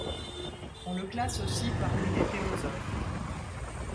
On le classe aussi parmi les théosophes.